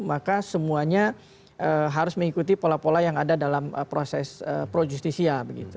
maka semuanya harus mengikuti pola pola yang ada dalam proses pro justisia